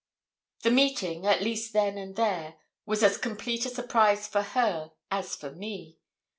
The meeting, at least then and there, was as complete a surprise for her as for me.